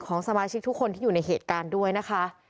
สมาชิกทุกคนที่อยู่ในเหตุการณ์ด้วยนะคะ